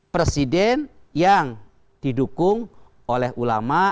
presiden yang didukung oleh ulama